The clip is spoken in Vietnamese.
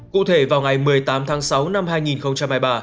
cụ thể vào ngày một mươi tám tháng sáu năm hai nghìn hai mươi ba